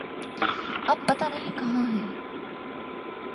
اب پتہ نہیں کہاں ہیں۔